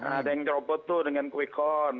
ada yang dirobot tuh dengan quickcon